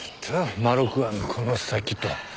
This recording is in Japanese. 「まろく庵この先」と。